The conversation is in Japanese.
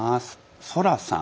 空さん。